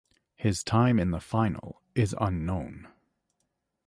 His time in the final is unknown.